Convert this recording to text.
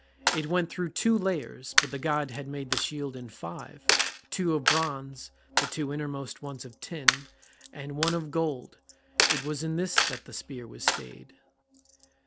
It went through two layers, but the god had made the shield in five, two of bronze, the two innermost ones of tin, and one of gold; it was in this that the spear was stayed.